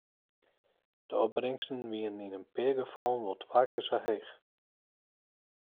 De opbringsten wiene yn in pear gefallen wol twa kear sa heech.